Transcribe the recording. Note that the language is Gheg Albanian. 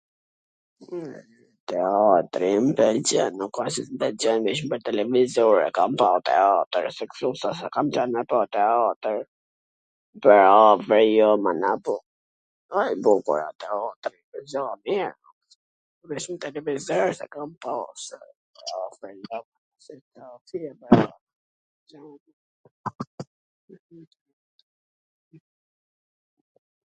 teatrin e gjen, nuk ka gjw qw nuk e gjen n televizor e kam pa...